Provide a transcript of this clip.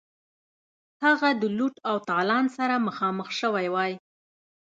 هغه د لوټ او تالان سره مخامخ شوی وای.